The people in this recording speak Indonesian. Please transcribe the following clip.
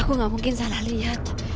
aku gak mungkin salah lihat